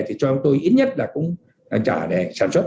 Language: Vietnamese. cho chúng tôi ít nhất là cũng trả để sản xuất